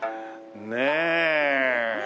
ねえ。